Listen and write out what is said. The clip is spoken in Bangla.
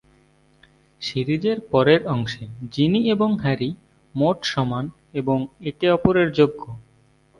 সিরিজের পরের অংশে, জিনি এবং হ্যারি "মোট সমান" এবং "একে অপরের যোগ্য"।